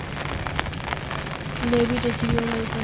Levi recibió una educación tradicional.